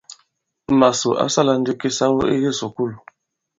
Màsò ǎ sālā ndī kisawo ī kisùkulù.